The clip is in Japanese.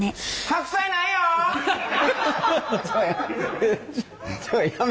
白菜ないわ！